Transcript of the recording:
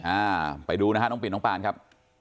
อ่าไปดูนะฮะน้องปิงน้องปานครับ